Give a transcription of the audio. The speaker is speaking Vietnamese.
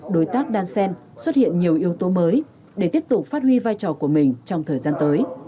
đối tác đan sen xuất hiện nhiều yếu tố mới để tiếp tục phát huy vai trò của mình trong thời gian tới